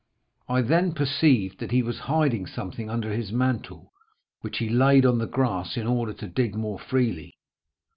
I then perceived that he was hiding something under his mantle, which he laid on the grass in order to dig more freely.